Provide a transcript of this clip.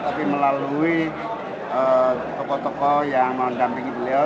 tapi melalui tokoh tokoh yang mendampingi beliau